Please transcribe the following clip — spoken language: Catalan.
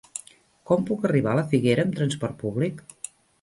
Com puc arribar a la Figuera amb trasport públic?